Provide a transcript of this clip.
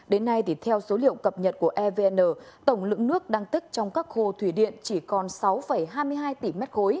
đến nay thì theo số liệu cập nhật của evn tổng lượng nước đang tích trong các hồ thủy điện chỉ còn sáu hai mươi hai tỷ m ba